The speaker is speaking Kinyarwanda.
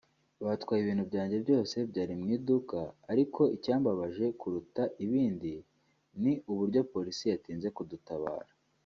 batwaye ibintu byanjye byose byari mu iduka ariko icyambabaje kuruta ibindi ni uburyo polisi yatinze kudutabara